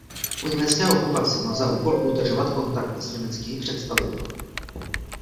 Po německé okupaci měl za úkol udržovat kontakty s německými představiteli.